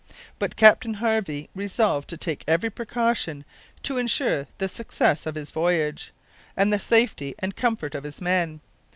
But Captain Harvey resolved to take every precaution to insure the success of his voyage, and the safety and comfort of his men.